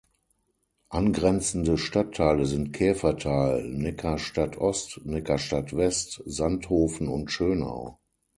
Angrenzende Stadtteile sind Käfertal, Neckarstadt-Ost, Neckarstadt-West, Sandhofen und Schönau.